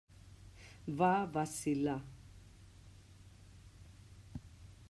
Va vacil·lar.